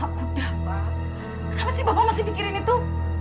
kenapa sih bapak masih mikirin itu